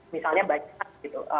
misalnya banyak gitu